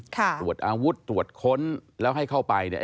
ตรวจอาวุธตรวจค้นแล้วให้เข้าไปเนี่ย